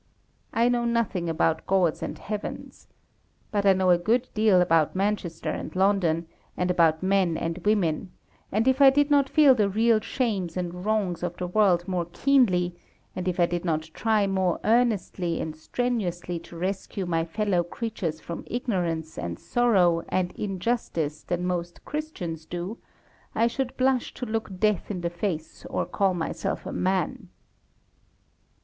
I know nothing about gods and heavens. But I know a good deal about Manchester and London, and about men and women; and if I did not feel the real shames and wrongs of the world more keenly, and if I did not try more earnestly and strenuously to rescue my fellow creatures from ignorance, and sorrow, and injustice than most Christians do, I should blush to look death in the face or call myself a man.